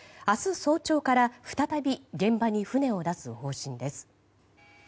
早朝から再び現場に船を出す方針です。